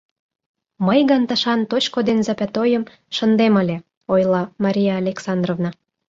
— Мый гын тышан точко ден запятойым шындем ыле, — ойла Мария Александровна.